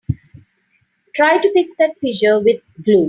Try to fix that fissure with glue.